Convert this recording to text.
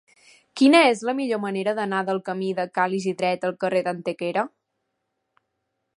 Quina és la millor manera d'anar del camí de Ca l'Isidret al carrer d'Antequera?